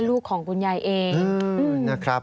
ลูกของคุณยายเอง